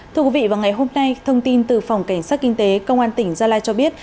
thưa quý vị vào ngày hôm nay thông tin từ phòng cảnh sát kinh tế công an tỉnh gia lai cho biết